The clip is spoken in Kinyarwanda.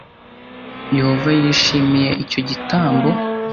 yehova yishimiye icyo gitambo